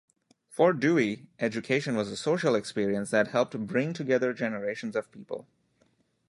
For Dewey, education was a social experience that helped bring together generations of people.